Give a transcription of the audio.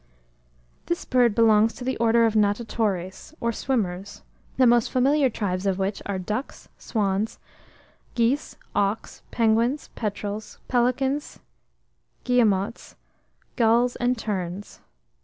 This bird belongs to the order of Natatores, or Swimmers; the most familiar tribes of which are ducks, swans, geese, auks, penguins, petrels, pelicans, guillemots, gulls, and terns.